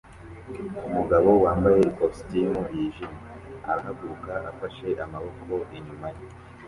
Umugabo wambaye ikositimu yijimye arahaguruka afashe amaboko inyuma ye